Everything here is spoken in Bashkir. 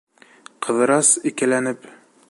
Ҡыҙырас, икеләнеп: